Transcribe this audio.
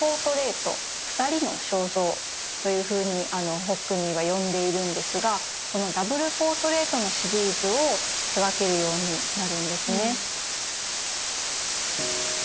「２人の肖像」というふうにホックニーは呼んでいるんですがこのダブル・ポートレートのシリーズを手がけるようになるんですね。